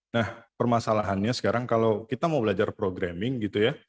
nah permasalahannya sekarang kalau kita mau belajar programming gitu ya